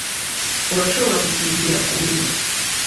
Urashobora gusinzira ku buriri.